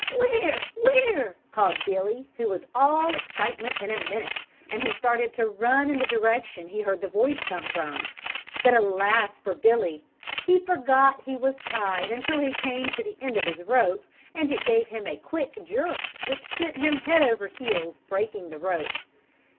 "Where? where?" called Billy who was all excitement in a minute and he started to run in the direction he heard the voice come from, but alas for Billy! He forgot he was tied until he came to the end of his rope and it gave him a quick jerk which sent him head over heels, breaking the rope.